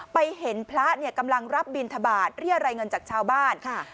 ไปเห็นพระเนี่ยกำลังรับบิณฑบาตเรียดไรเงินจากชาวบ้านค่ะ